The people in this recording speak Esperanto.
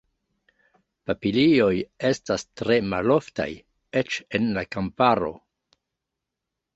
Papilioj estas tre maloftaj, eĉ en la kamparo.